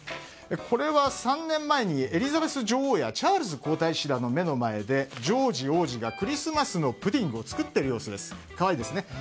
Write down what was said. これは３年前にエリザベス女王やチャールズ皇太子らの目の前でジョージ王子がクリスマスのプディングを作っている様子ですね。